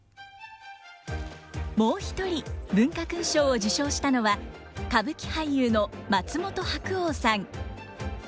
もう一人文化勲章を受章したのは歌舞伎俳優の松本白鸚さん。